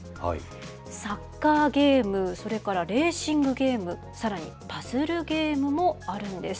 サッカーゲーム、それからレーシングゲーム、さらに、パズルゲームもあるんです。